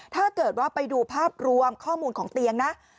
ถ้าเกิดว่าไปดูภาพรวมข้อมูลของเตียงนะ